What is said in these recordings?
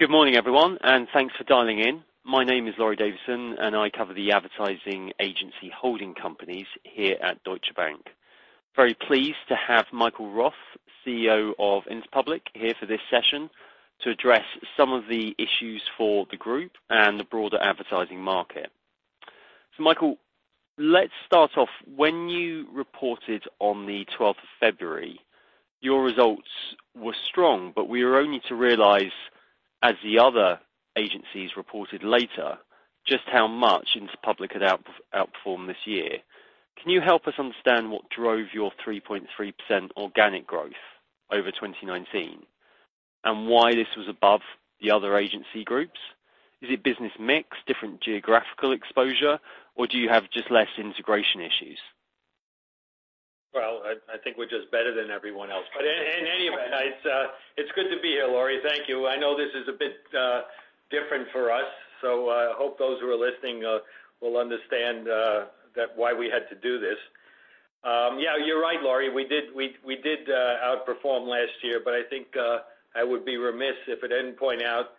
Good morning, everyone, and thanks for dialing in. My name is Laurie Davison, and I cover the advertising agency holding companies here at Deutsche Bank. Very pleased to have Michael Roth, CEO of Interpublic, here for this session to address some of the issues for the group and the broader advertising market. So, Michael, let's start off. When you reported on the 12th of February, your results were strong, but we were only to realize, as the other agencies reported later, just how much Interpublic had outperformed this year. Can you help us understand what drove your 3.3% organic growth over 2019, and why this was above the other agency groups? Is it business mix, different geographical exposure, or do you have just less integration issues? Well, I think we're just better than everyone else. But in any event, it's good to be here, Laurie. Thank you. I know this is a bit different for us, so I hope those who are listening will understand why we had to do this. Yeah, you're right, Laurie. We did outperform last year, but I think I would be remiss if I didn't point out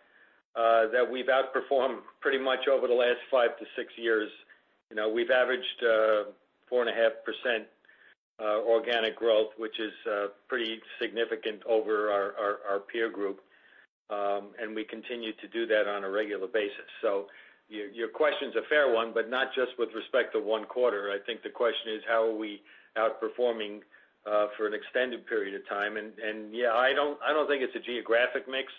that we've outperformed pretty much over the last five to six years. We've averaged 4.5% organic growth, which is pretty significant over our peer group, and we continue to do that on a regular basis. So your question's a fair one, but not just with respect to one quarter. I think the question is, how are we outperforming for an extended period of time? And yeah, I don't think it's a geographic mix,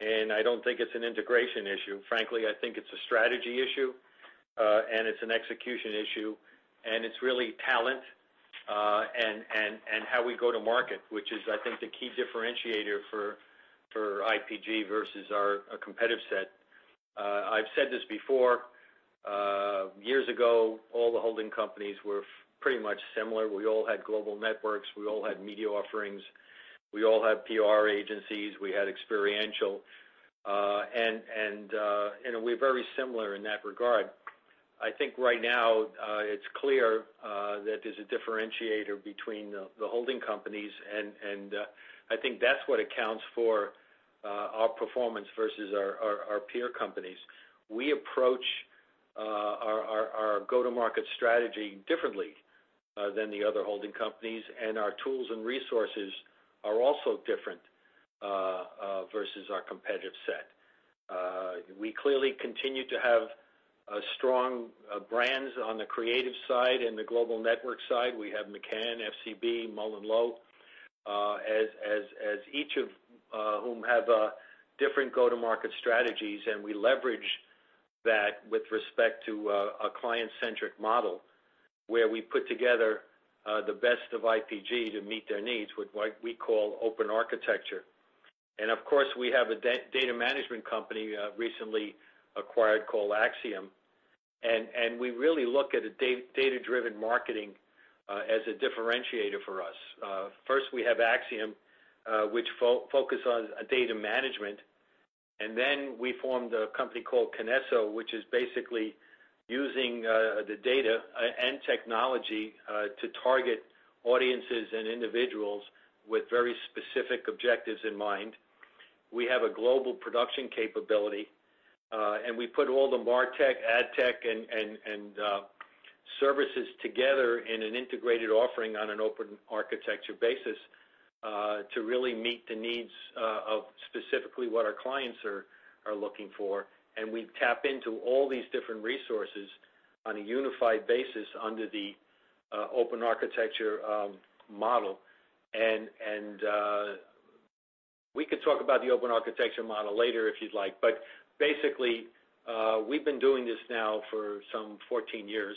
and I don't think it's an integration issue. Frankly, I think it's a strategy issue, and it's an execution issue, and it's really talent and how we go to market, which is, I think, the key differentiator for IPG versus our competitive set. I've said this before. Years ago, all the holding companies were pretty much similar. We all had global networks. We all had media offerings. We all had PR agencies. We had experiential. And we're very similar in that regard. I think right now, it's clear that there's a differentiator between the holding companies, and I think that's what accounts for our performance versus our peer companies. We approach our go-to-market strategy differently than the other holding companies, and our tools and resources are also different versus our competitive set. We clearly continue to have strong brands on the creative side and the global network side. We have McCann, FCB, MullenLowe, as each of whom have different go-to-market strategies, and we leverage that with respect to a client-centric model where we put together the best of IPG to meet their needs with what we call open architecture. And of course, we have a data management company recently acquired called Acxiom, and we really look at data-driven marketing as a differentiator for us. First, we have Acxiom, which focuses on data management, and then we formed a company called Kinesso, which is basically using the data and technology to target audiences and individuals with very specific objectives in mind. We have a global production capability, and we put all the martech, adtech, and services together in an integrated offering on an open architecture basis to really meet the needs of specifically what our clients are looking for. And we tap into all these different resources on a unified basis under the open architecture model. And we could talk about the open architecture model later if you'd like, but basically, we've been doing this now for some 14 years.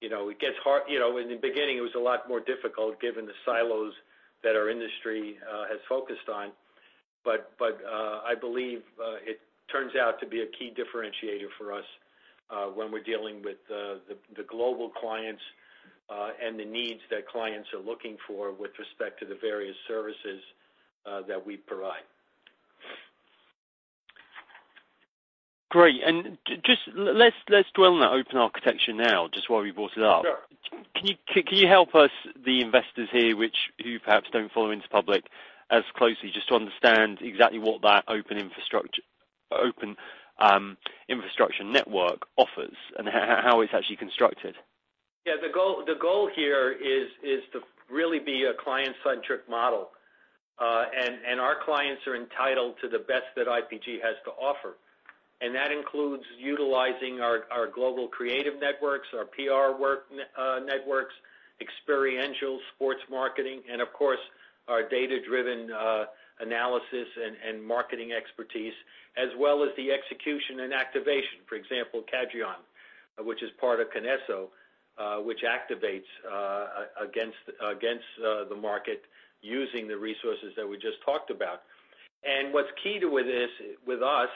It gets hard. In the beginning, it was a lot more difficult given the silos that our industry has focused on, but I believe it turns out to be a key differentiator for us when we're dealing with the global clients and the needs that clients are looking for with respect to the various services that we provide. Great. And just let's dwell on that open architecture now, just while we brought it up. Can you help us, the investors here, who perhaps don't follow Interpublic as closely just to understand exactly what that open architecture network offers and how it's actually constructed? Yeah. The goal here is to really be a client-centric model, and our clients are entitled to the best that IPG has to offer. And that includes utilizing our global creative networks, our PR networks, experiential sports marketing, and of course, our data-driven analysis and marketing expertise, as well as the execution and activation. For example, Cadreon, which is part of Kinesso, which activates against the market using the resources that we just talked about. And what's key with us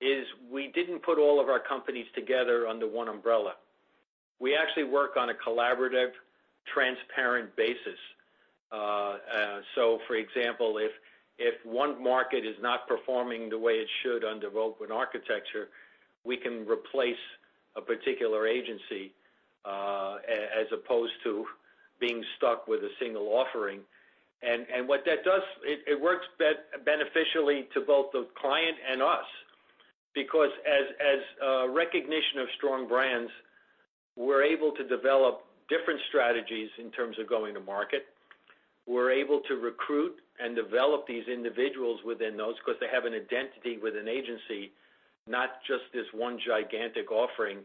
is we didn't put all of our companies together under one umbrella. We actually work on a collaborative, transparent basis. So for example, if one market is not performing the way it should under open architecture, we can replace a particular agency as opposed to being stuck with a single offering. And what that does, it works beneficially to both the client and us because as recognition of strong brands, we're able to develop different strategies in terms of going to market. We're able to recruit and develop these individuals within those because they have an identity with an agency, not just this one gigantic offering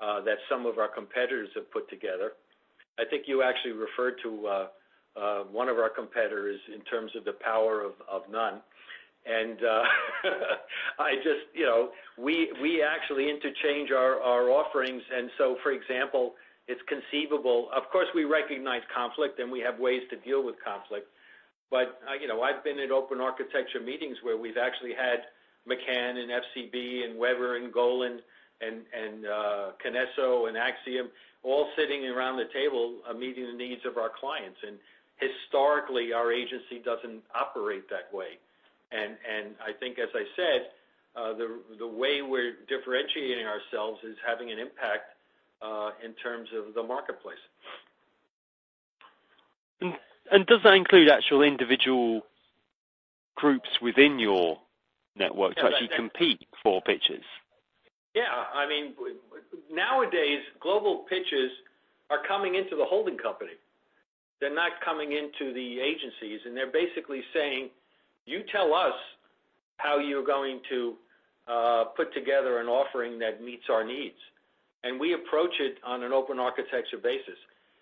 that some of our competitors have put together. I think you actually referred to one of our competitors in terms of the power of none. And I just, we actually interchange our offerings. And so for example, it's conceivable. Of course, we recognize conflict, and we have ways to deal with conflict, but I've been in open architecture meetings where we've actually had McCann and FCB and Weber and Golin and Kinesso and Acxiom all sitting around the table meeting the needs of our clients. And historically, our agency doesn't operate that way. I think, as I said, the way we're differentiating ourselves is having an impact in terms of the marketplace. And does that include actual individual groups within your network to actually compete for pitches? Yeah. I mean, nowadays, global pitches are coming into the holding company. They're not coming into the agencies, and they're basically saying, "You tell us how you're going to put together an offering that meets our needs." And we approach it on an open architecture basis.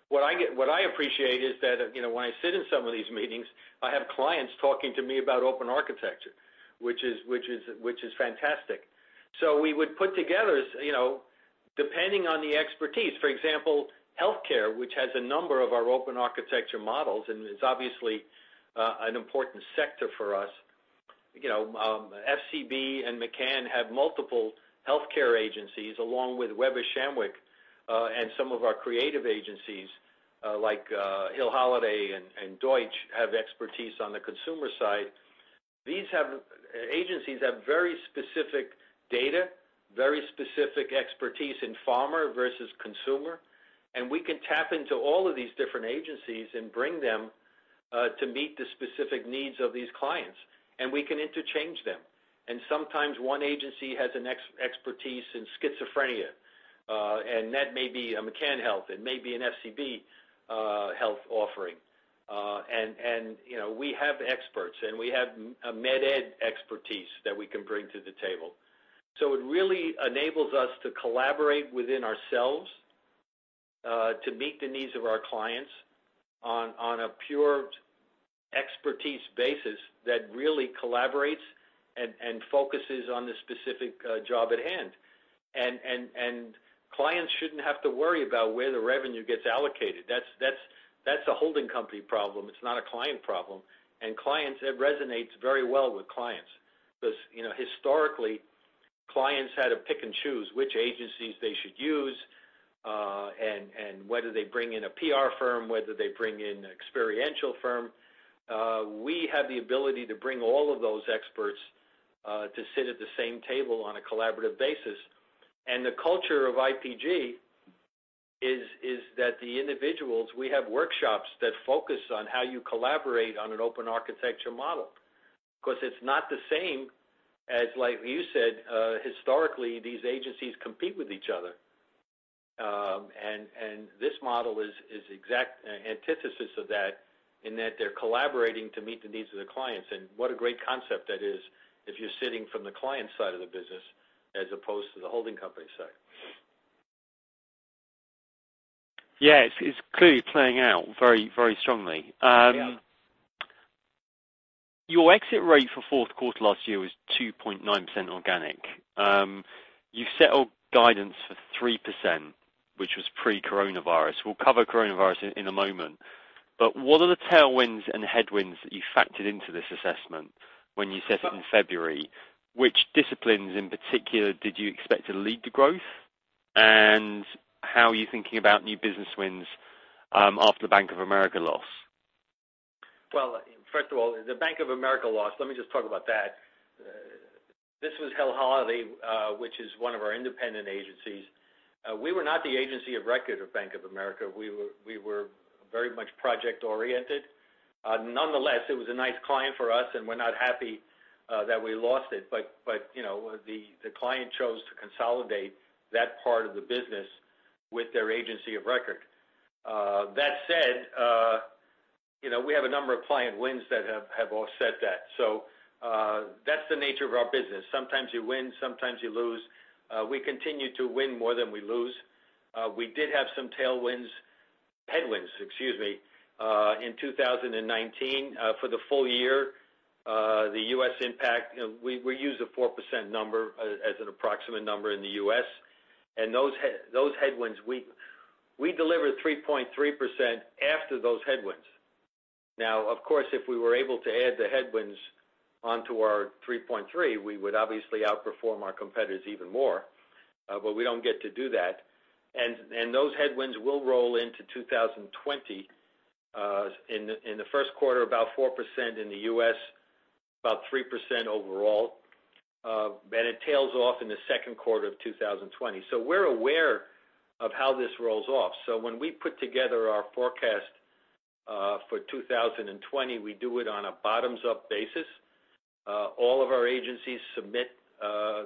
What I appreciate is that when I sit in some of these meetings, I have clients talking to me about open architecture, which is fantastic. So we would put together, depending on the expertise, for example, healthcare, which has a number of our open architecture models, and it's obviously an important sector for us. FCB and McCann have multiple healthcare agencies along with Weber Shandwick, and some of our creative agencies like Hill Holliday and Deutsch have expertise on the consumer side. These agencies have very specific data, very specific expertise in pharma versus consumer, and we can tap into all of these different agencies and bring them to meet the specific needs of these clients, and we can interchange them, and sometimes one agency has an expertise in schizophrenia, and that may be a McCann Health. It may be an FCB Health offering, and we have experts, and we have med-ed expertise that we can bring to the table, so it really enables us to collaborate within ourselves to meet the needs of our clients on a pure expertise basis that really collaborates and focuses on the specific job at hand, and clients shouldn't have to worry about where the revenue gets allocated. That's a holding company problem. It's not a client problem. Clients resonate very well with clients because historically, clients had to pick and choose which agencies they should use and whether they bring in a PR firm, whether they bring in an experiential firm. We have the ability to bring all of those experts to sit at the same table on a collaborative basis. The culture of IPG is that the individuals. We have workshops that focus on how you collaborate on an open architecture model because it's not the same as, like you said, historically, these agencies compete with each other. This model is the exact antithesis of that in that they're collaborating to meet the needs of the clients. What a great concept that is if you're sitting from the client side of the business as opposed to the holding company side. Yeah. It's clearly playing out very, very strongly. Your exit rate for fourth quarter last year was 2.9% organic. You've settled guidance for 3%, which was pre-coronavirus. We'll cover coronavirus in a moment. But what are the tailwinds and headwinds that you factored into this assessment when you set it in February? Which disciplines in particular did you expect to lead to growth, and how are you thinking about new business wins after the Bank of America loss? First of all, the Bank of America loss, let me just talk about that. This was Hill Holliday, which is one of our independent agencies. We were not the agency of record of Bank of America. We were very much project-oriented. Nonetheless, it was a nice client for us, and we're not happy that we lost it, but the client chose to consolidate that part of the business with their agency of record. That said, we have a number of client wins that have offset that. So that's the nature of our business. Sometimes you win. Sometimes you lose. We continue to win more than we lose. We did have some tailwinds, headwinds, excuse me, in 2019 for the full year. The U.S. impact, we use a 4% number as an approximate number in the U.S. Those headwinds, we delivered 3.3% after those headwinds. Now, of course, if we were able to add the headwinds onto our 3.3%, we would obviously outperform our competitors even more, but we don't get to do that. And those headwinds will roll into 2020. In the first quarter, about 4% in the U.S., about 3% overall, and it tails off in the second quarter of 2020. So we're aware of how this rolls off. So when we put together our forecast for 2020, we do it on a bottoms-up basis. All of our agencies submit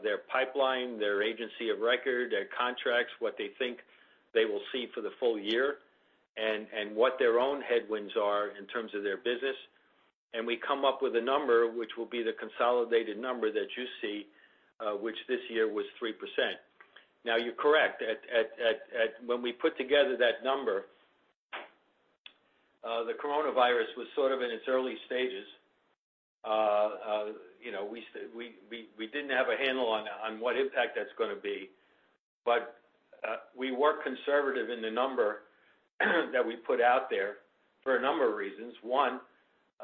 their pipeline, their agency of record, their contracts, what they think they will see for the full year, and what their own headwinds are in terms of their business. And we come up with a number, which will be the consolidated number that you see, which this year was 3%. Now, you're correct. When we put together that number, the coronavirus was sort of in its early stages. We didn't have a handle on what impact that's going to be, but we were conservative in the number that we put out there for a number of reasons. One,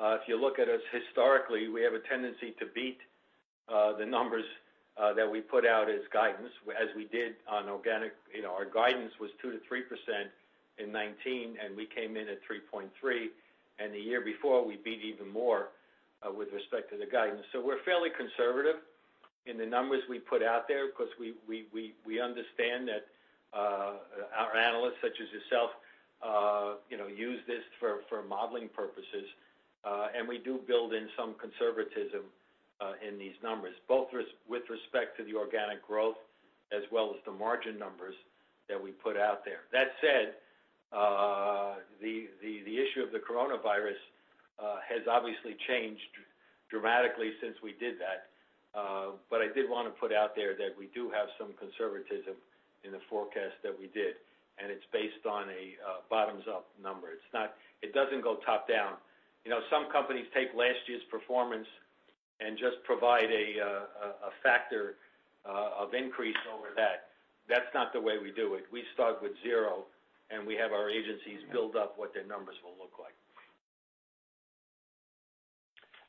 if you look at us historically, we have a tendency to beat the numbers that we put out as guidance, as we did on organic. Our guidance was 2%-3% in 2019, and we came in at 3.3%, and the year before, we beat even more with respect to the guidance, so we're fairly conservative in the numbers we put out there because we understand that our analysts, such as yourself, use this for modeling purposes, and we do build in some conservatism in these numbers, both with respect to the organic growth as well as the margin numbers that we put out there. That said, the issue of the coronavirus has obviously changed dramatically since we did that, but I did want to put out there that we do have some conservatism in the forecast that we did, and it's based on a bottoms-up number. It doesn't go top-down. Some companies take last year's performance and just provide a factor of increase over that. That's not the way we do it. We start with zero, and we have our agencies build up what their numbers will look like.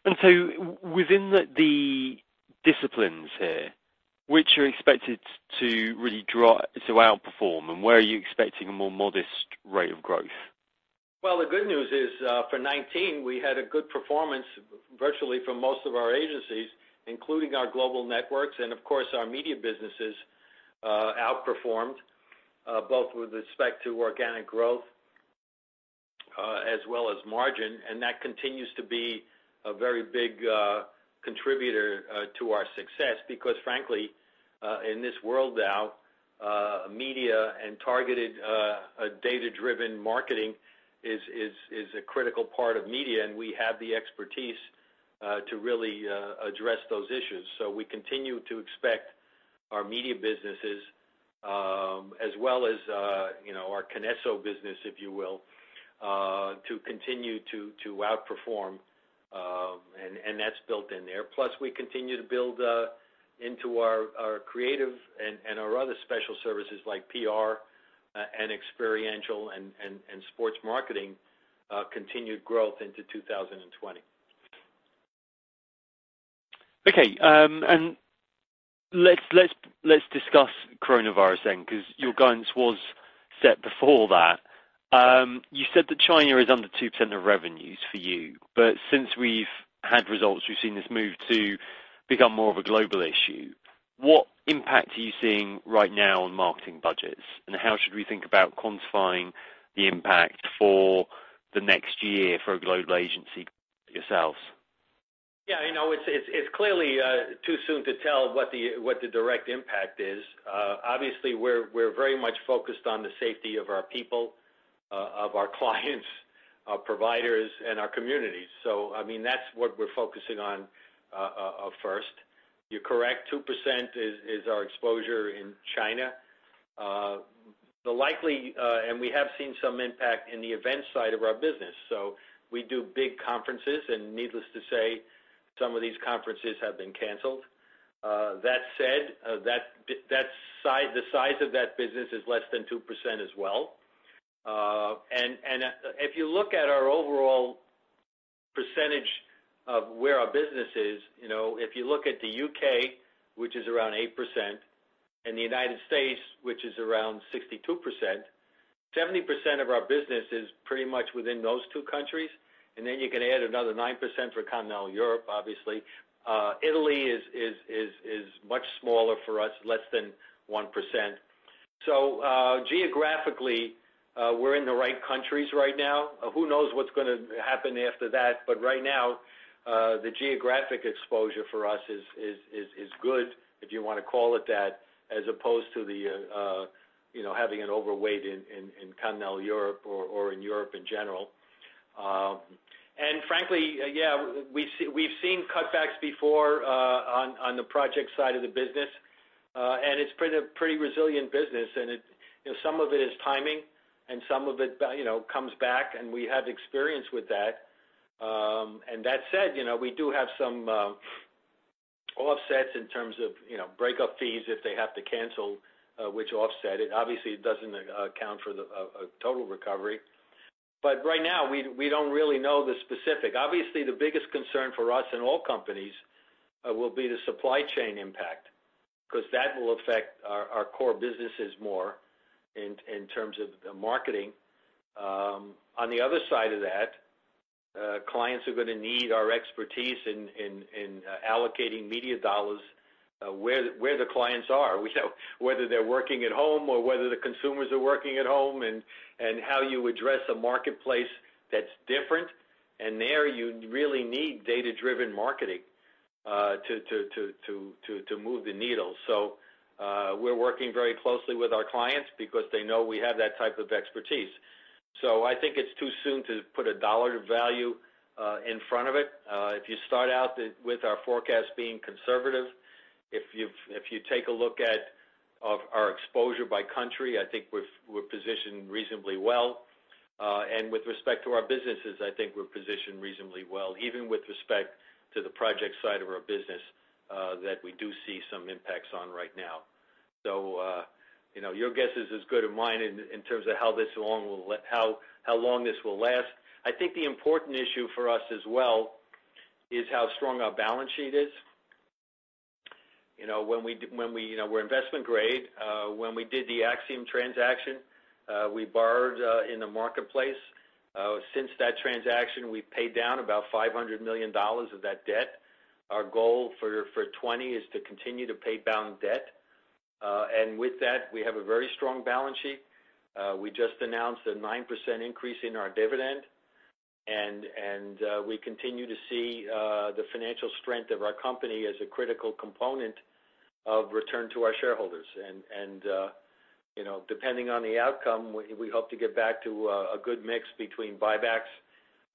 And so within the disciplines here, which are expected to really drive to outperform, and where are you expecting a more modest rate of growth? The good news is for 2019, we had a good performance virtually for most of our agencies, including our global networks and, of course, our media businesses outperformed both with respect to organic growth as well as margin. That continues to be a very big contributor to our success because, frankly, in this world now, media and targeted data-driven marketing is a critical part of media, and we have the expertise to really address those issues. We continue to expect our media businesses, as well as our Kinesso business, if you will, to continue to outperform, and that's built in there. We continue to build into our creative and our other special services like PR and experiential and sports marketing continued growth into 2020. Okay, and let's discuss coronavirus then because your guidance was set before that. You said that China is under 2% of revenues for you, but since we've had results, we've seen this move to become more of a global issue. What impact are you seeing right now on marketing budgets, and how should we think about quantifying the impact for the next year for a global agency yourselves? Yeah. It's clearly too soon to tell what the direct impact is. Obviously, we're very much focused on the safety of our people, of our clients, our providers, and our communities. So I mean, that's what we're focusing on first. You're correct. 2% is our exposure in China. And we have seen some impact in the events side of our business. So we do big conferences, and needless to say, some of these conferences have been canceled. That said, the size of that business is less than 2% as well. And if you look at our overall percentage of where our business is, if you look at the U.K., which is around 8%, and the United States, which is around 62%, 70% of our business is pretty much within those two countries. And then you can add another 9% for Continental Europe, obviously. Italy is much smaller for us, less than 1%. So geographically, we're in the right countries right now. Who knows what's going to happen after that? But right now, the geographic exposure for us is good, if you want to call it that, as opposed to having an overweight in Continental Europe or in Europe in general. And frankly, yeah, we've seen cutbacks before on the project side of the business, and it's a pretty resilient business. And some of it is timing, and some of it comes back, and we have experience with that. And that said, we do have some offsets in terms of breakup fees if they have to cancel which offset. It obviously doesn't account for the total recovery. But right now, we don't really know the specific. Obviously, the biggest concern for us and all companies will be the supply chain impact because that will affect our core businesses more in terms of the marketing. On the other side of that, clients are going to need our expertise in allocating media dollars where the clients are, whether they're working at home or whether the consumers are working at home and how you address a marketplace that's different. And there, you really need data-driven marketing to move the needle. So we're working very closely with our clients because they know we have that type of expertise. So I think it's too soon to put a dollar value in front of it. If you start out with our forecast being conservative, if you take a look at our exposure by country, I think we're positioned reasonably well. With respect to our businesses, I think we're positioned reasonably well, even with respect to the project side of our business that we do see some impacts on right now. So your guess is as good as mine in terms of how long this will last. I think the important issue for us as well is how strong our balance sheet is. When we were investment grade, when we did the Acxiom transaction, we borrowed in the marketplace. Since that transaction, we've paid down about $500 million of that debt. Our goal for 2020 is to continue to pay down debt. And with that, we have a very strong balance sheet. We just announced a 9% increase in our dividend, and we continue to see the financial strength of our company as a critical component of return to our shareholders. And depending on the outcome, we hope to get back to a good mix between buybacks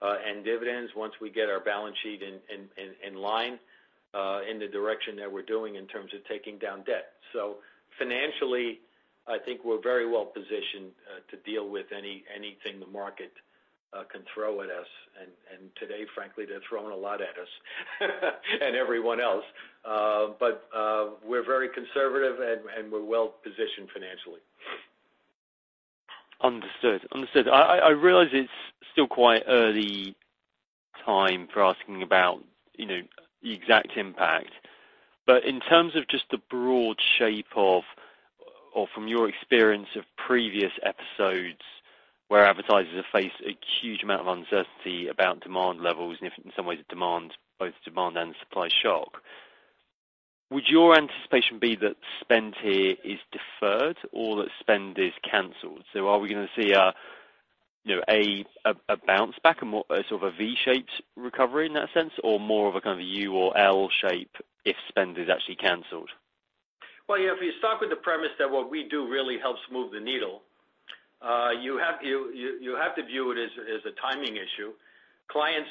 and dividends once we get our balance sheet in line in the direction that we're doing in terms of taking down debt. So financially, I think we're very well positioned to deal with anything the market can throw at us. And today, frankly, they're throwing a lot at us and everyone else. But we're very conservative, and we're well positioned financially. Understood. Understood. I realize it's still quite early time for asking about the exact impact, but in terms of just the broad shape of, or from your experience of previous episodes where advertisers have faced a huge amount of uncertainty about demand levels and, in some ways, both demand and supply shock, would your anticipation be that spend here is deferred or that spend is canceled? So are we going to see a bounce back and sort of a V-shaped recovery in that sense, or more of a kind of a U or L shape if spend is actually canceled? Well, yeah, if you start with the premise that what we do really helps move the needle, you have to view it as a timing issue. Clients,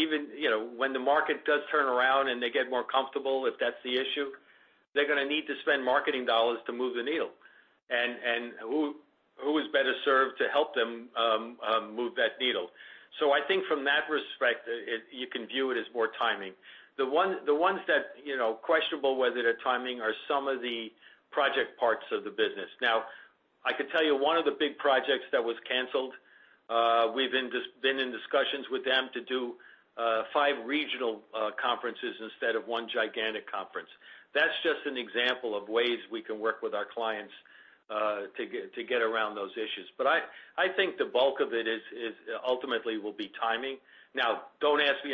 even when the market does turn around and they get more comfortable, if that's the issue, they're going to need to spend marketing dollars to move the needle. And who is better served to help them move that needle? So I think from that respect, you can view it as more timing. The ones that are questionable, whether they're timing, are some of the project parts of the business. Now, I can tell you one of the big projects that was canceled, we've been in discussions with them to do five regional conferences instead of one gigantic conference. That's just an example of ways we can work with our clients to get around those issues but I think the bulk of it ultimately will be timing. Now, don't ask me.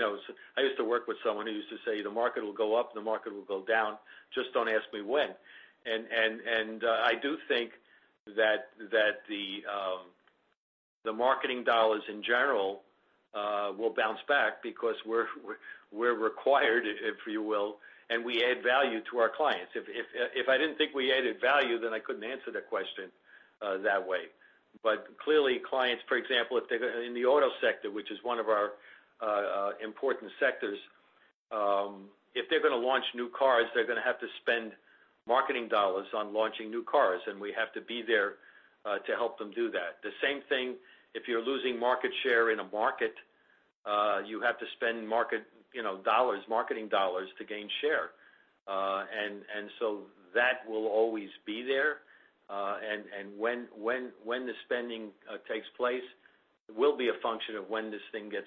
I used to work with someone who used to say, "The market will go up. The market will go down. Just don't ask me when." and I do think that the marketing dollars in general will bounce back because we're required, if you will, and we add value to our clients. If I didn't think we added value, then I couldn't answer the question that way. but clearly, clients, for example, in the auto sector, which is one of our important sectors, if they're going to launch new cars, they're going to have to spend marketing dollars on launching new cars, and we have to be there to help them do that. The same thing, if you're losing market share in a market, you have to spend market dollars, marketing dollars to gain share. And so that will always be there. And when the spending takes place, it will be a function of when this thing gets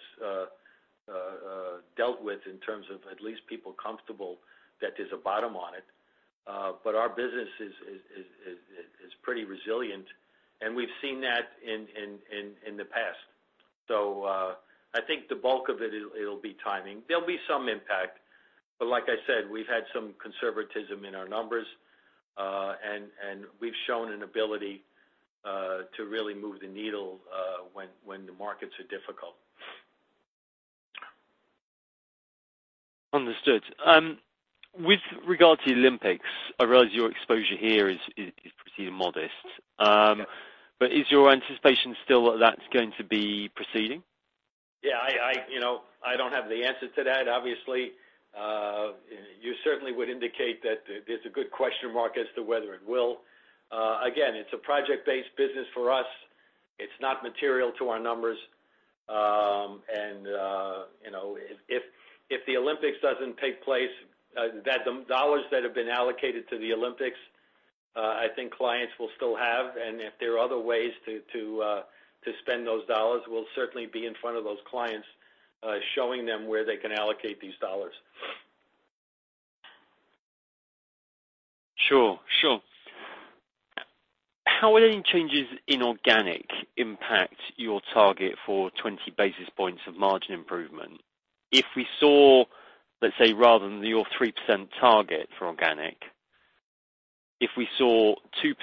dealt with in terms of at least people comfortable that there's a bottom on it. But our business is pretty resilient, and we've seen that in the past. So I think the bulk of it, it'll be timing. There'll be some impact, but like I said, we've had some conservatism in our numbers, and we've shown an ability to really move the needle when the markets are difficult. Understood. With regard to Olympics, I realize your exposure here is pretty modest. But is your anticipation still that that's going to be proceeding? Yeah. I don't have the answer to that, obviously. You certainly would indicate that there's a good question mark as to whether it will. Again, it's a project-based business for us. It's not material to our numbers. And if the Olympics doesn't take place, the dollars that have been allocated to the Olympics, I think clients will still have. And if there are other ways to spend those dollars, we'll certainly be in front of those clients showing them where they can allocate these dollars. Sure. Sure. How would any changes in organic impact your target for 20 basis points of margin improvement? If we saw, let's say, rather than your 3% target for organic, if we saw 2%,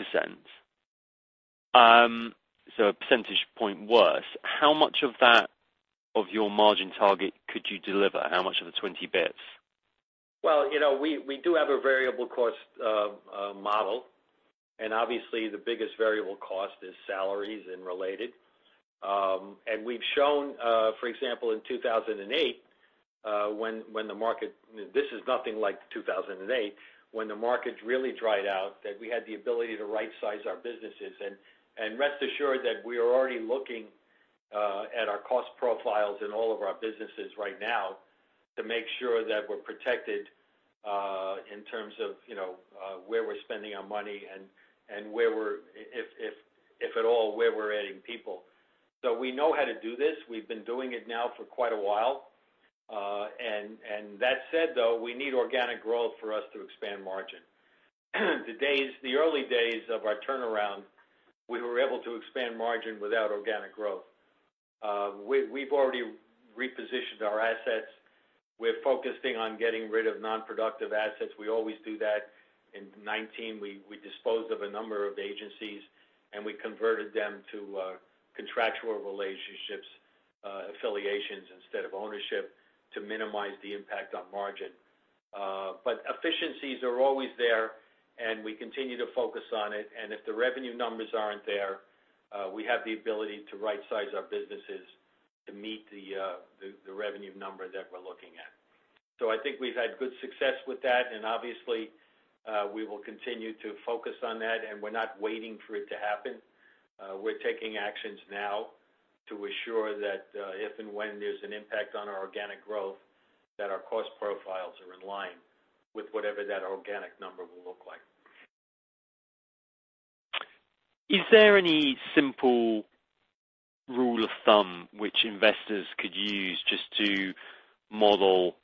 so a percentage point worse, how much of that of your margin target could you deliver? How much of the 20 basis points? We do have a variable cost model, and obviously, the biggest variable cost is salaries and related, and we've shown, for example, in 2008, when the market, this is nothing like 2008, when the market really dried out, that we had the ability to right-size our businesses, and rest assured that we are already looking at our cost profiles in all of our businesses right now to make sure that we're protected in terms of where we're spending our money and, if at all, where we're adding people, so we know how to do this. We've been doing it now for quite a while, and that said, though, we need organic growth for us to expand margin. The early days of our turnaround, we were able to expand margin without organic growth. We've already repositioned our assets. We're focusing on getting rid of nonproductive assets. We always do that. In 2019, we disposed of a number of agencies, and we converted them to contractual relationships, affiliations instead of ownership to minimize the impact on margin, but efficiencies are always there, and we continue to focus on it, and if the revenue numbers aren't there, we have the ability to right-size our businesses to meet the revenue number that we're looking at, so I think we've had good success with that, and obviously, we will continue to focus on that, and we're not waiting for it to happen. We're taking actions now to assure that if and when there's an impact on our organic growth, that our cost profiles are in line with whatever that organic number will look like. Is there any simple rule of thumb which investors could use just to model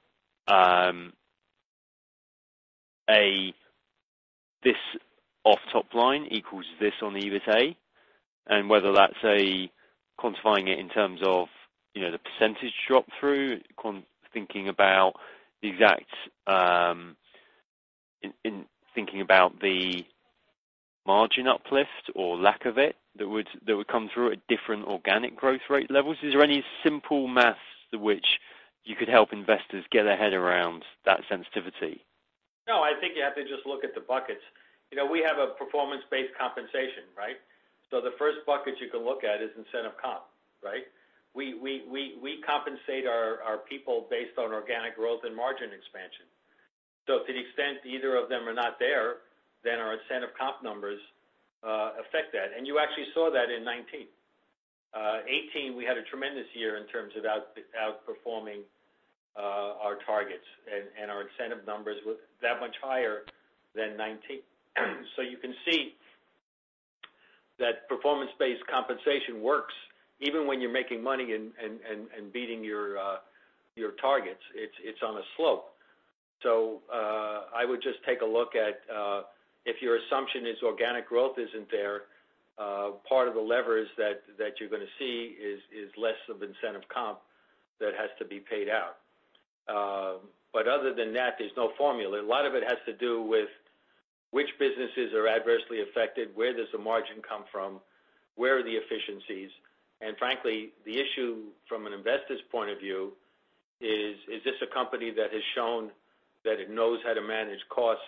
this off the top line equals this on either side, whether that's quantifying it in terms of the percentage pass-through, thinking about the exact margin uplift or lack of it that would come through at different organic growth rate levels? Is there any simple math which you could help investors get their head around that sensitivity? No. I think you have to just look at the buckets. We have a performance-based compensation, right? So the first bucket you can look at is incentive comp, right? We compensate our people based on organic growth and margin expansion. So to the extent either of them are not there, then our incentive comp numbers affect that. And you actually saw that in 2019. 2018, we had a tremendous year in terms of outperforming our targets, and our incentive numbers were that much higher than 2019. So you can see that performance-based compensation works even when you're making money and beating your targets. It's on a slope. So I would just take a look at if your assumption is organic growth isn't there, part of the levers that you're going to see is less of incentive comp that has to be paid out. But other than that, there's no formula. A lot of it has to do with which businesses are adversely affected, where does the margin come from, where are the efficiencies. And frankly, the issue from an investor's point of view is, is this a company that has shown that it knows how to manage costs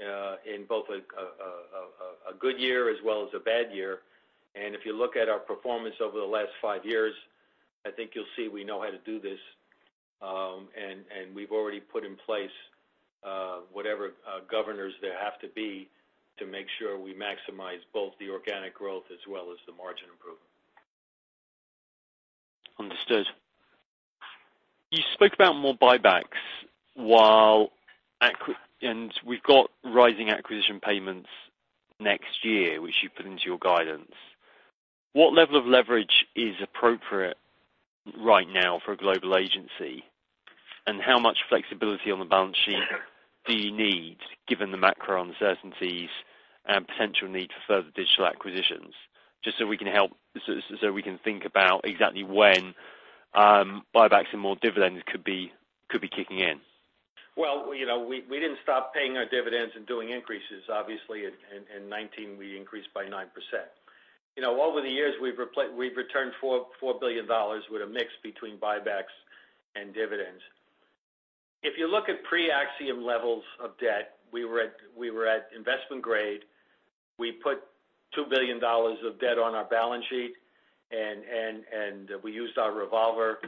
in both a good year as well as a bad year? And if you look at our performance over the last five years, I think you'll see we know how to do this, and we've already put in place whatever governors there have to be to make sure we maximize both the organic growth as well as the margin improvement. Understood. You spoke about more buybacks, and we've got rising acquisition payments next year, which you put into your guidance. What level of leverage is appropriate right now for a global agency, and how much flexibility on the balance sheet do you need given the macro uncertainties and potential need for further digital acquisitions just so we can think about exactly when buybacks and more dividends could be kicking in? We didn't stop paying our dividends and doing increases. Obviously, in 2019, we increased by 9%. Over the years, we've returned $4 billion with a mix between buybacks and dividends. If you look at pre-Acxiom levels of debt, we were at investment grade. We put $2 billion of debt on our balance sheet, and we used our revolver.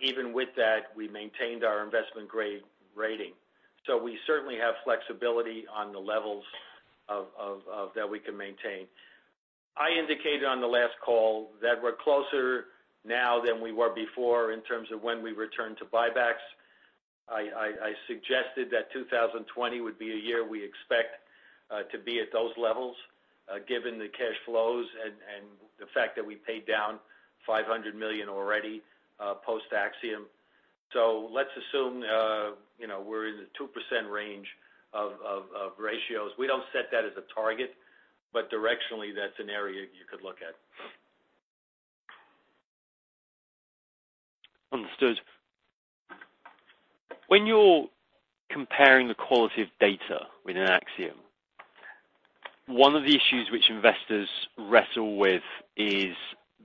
Even with that, we maintained our investment grade rating. We certainly have flexibility on the levels that we can maintain. I indicated on the last call that we're closer now than we were before in terms of when we return to buybacks. I suggested that 2020 would be a year we expect to be at those levels given the cash flows and the fact that we paid down $500 million already post-Acxiom. Let's assume we're in the 2% range of ratios. We don't set that as a target, but directionally, that's an area you could look at. Understood. When you're comparing the quality of data within Acxiom, one of the issues which investors wrestle with is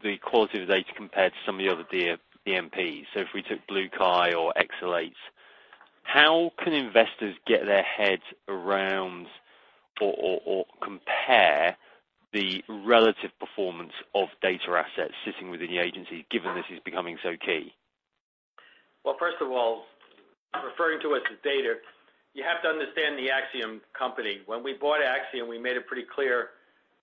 the quality of data compared to some of the other DMPs. So if we took BlueKai or eXelate, how can investors get their head around or compare the relative performance of data assets sitting within the agency given this is becoming so key? First of all, referring to us as data, you have to understand the Acxiom company. When we bought Acxiom, we made it pretty clear.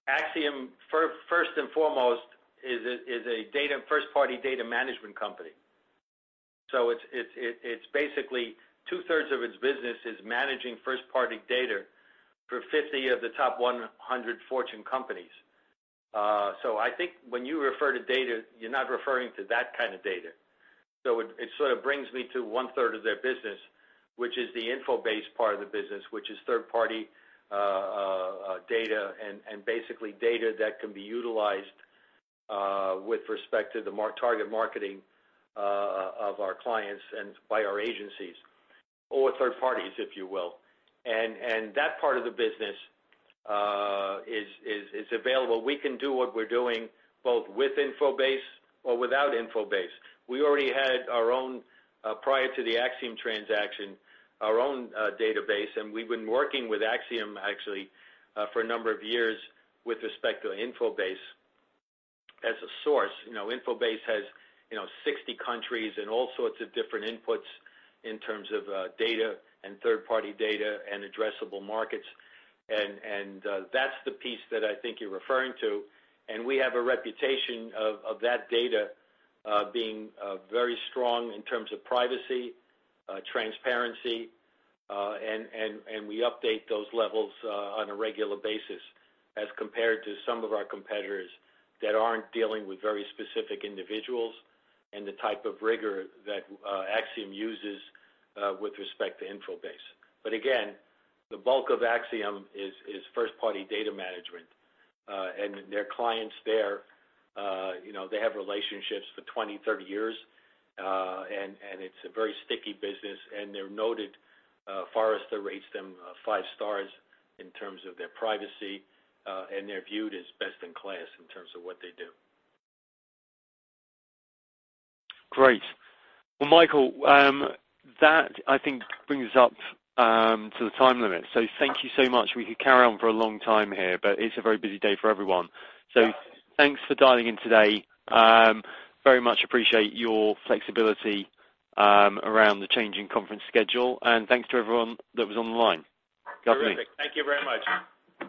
Acxiom, first and foremost, is a first-party data management company. So it's basically two-thirds of its business is managing first-party data for 50 of the top 100 Fortune companies. So I think when you refer to data, you're not referring to that kind of data. So it sort of brings me to one-third of their business, which is the InfoBase part of the business, which is third-party data and basically data that can be utilized with respect to the target marketing of our clients and by our agencies or third parties, if you will. And that part of the business is available. We can do what we're doing both with InfoBase or without InfoBase. We already had our own, prior to the Acxiom transaction, our own database, and we've been working with Acxiom actually for a number of years with respect to InfoBase as a source. InfoBase has 60 countries and all sorts of different inputs in terms of data and third-party data and addressable markets, and that's the piece that I think you're referring to. And we have a reputation of that data being very strong in terms of privacy, transparency, and we update those levels on a regular basis as compared to some of our competitors that aren't dealing with very specific individuals and the type of rigor that Acxiom uses with respect to InfoBase, but again, the bulk of Acxiom is first-party data management, and their clients there, they have relationships for 20, 30 years, and it's a very sticky business. They're noted for us to rate them five stars in terms of their privacy, and they're viewed as best in class in terms of what they do. Great. Well, Michael, that I think brings us up to the time limit. So thank you so much. We could carry on for a long time here, but it's a very busy day for everyone. So thanks for dialing in today. Very much appreciate your flexibility around the changing conference schedule, and thanks to everyone that was on the line. Good afternoon. Perfect. Thank you very much.